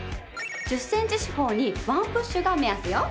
１０センチ四方に１プッシュが目安よ！